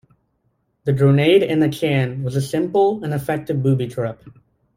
The "Grenade in a Can" was a simple and effective booby trap.